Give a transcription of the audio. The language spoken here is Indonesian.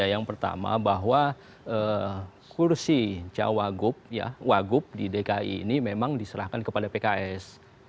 yang pertama bahwa kursi wagub di dki ini memang diserahkan kepada pks